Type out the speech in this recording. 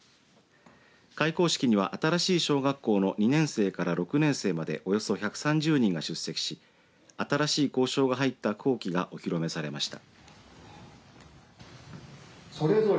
開校式には新しい小学校の２年生から６年生までおよそ１３０人が出席し新しい校章が入った校旗がお披露目されました。